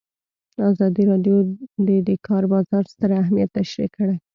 ازادي راډیو د د کار بازار ستر اهميت تشریح کړی.